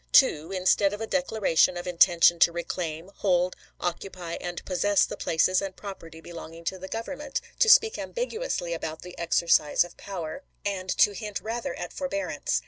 (2) Instead of a declaration of intention to reclaim, hold, occupy, and possess the places and property belonging to the Government, to speak ambiguously about the exercise of power, and to hint rather at forbear ance.